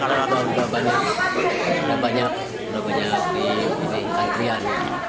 ada banyak di antrian